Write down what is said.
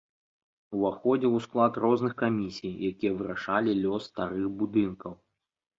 Уваходзіў у склад розных камісій, якія вырашалі лёс старых будынкаў.